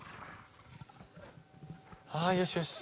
ああよしよし。